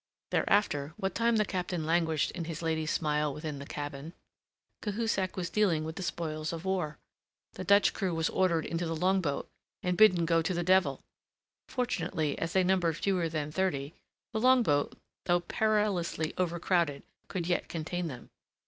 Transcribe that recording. Thereafter, what time the Captain languished in his lady's smile within the cabin, Cahusac was dealing with the spoils of war. The Dutch crew was ordered into the longboat, and bidden go to the devil. Fortunately, as they numbered fewer than thirty, the longboat, though perilously overcrowded, could yet contain them.